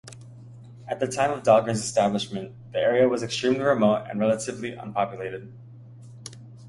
At the time of Dahlgren's establishment, the area was extremely remote and relatively unpopulated.